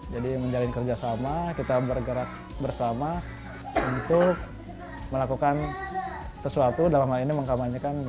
jadi menjalin kerjasama kita bergerak bersama untuk melakukan sesuatu dalam hal ini mengkabanyakan minat baca ya